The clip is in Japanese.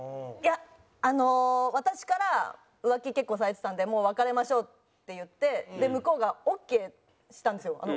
いやあの私から浮気結構されてたんでもう別れましょうって言って向こうがオーケーしたんですよ。